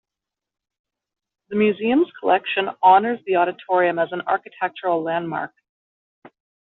The museum's collection honors the auditorium as an architectural landmark.